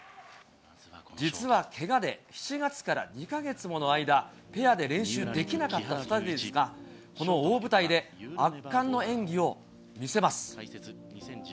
実はけがで７月から２か月もの間、ペアで練習できなかった２人ですが、この大舞台で圧巻の演技を見せます。